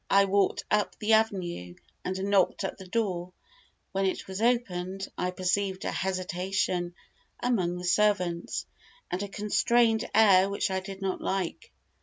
I walked up the avenue, and knocked at the door: when it was opened, I perceived a hesitation among the servants, and a constrained air which I did not like.